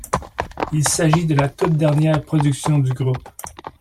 Il s'agit de la toute dernière production du groupe.